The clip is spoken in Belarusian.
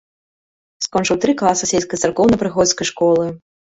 Скончыў тры класа сельскай царкоўна-прыходскай школы.